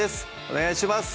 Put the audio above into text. お願いします